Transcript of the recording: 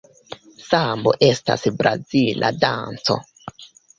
Sambo estas brazila danco.